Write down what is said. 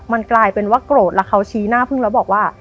มันกลายเป็นว่าโกรธแล้วเขาชี้หน้าพึ่งแล้วบอกว่า